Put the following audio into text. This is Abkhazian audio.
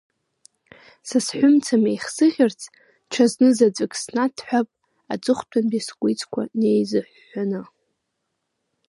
Са сҳәымца меихсыӷьырц, ҽазнызаҵәык снаҭәҳәап, аҵыхәтәантәи скәицқәа неизыҳәҳәаны…